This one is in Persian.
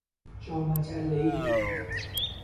جا مجلهای